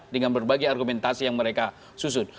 dengan berbagai argumentasi yang mereka susun